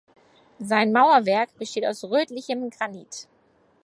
Sein Mauerwerk besteht aus rötlichem Granit.